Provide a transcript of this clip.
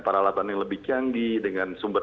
peralatan yang lebih canggih dengan sumber